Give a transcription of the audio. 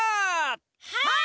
はい！